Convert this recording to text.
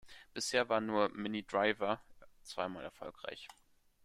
Bisher war nur Minnie Driver zweimal erfolgreich.